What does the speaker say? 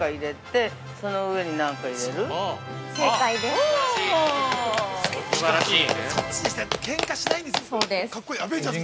◆すばらしい！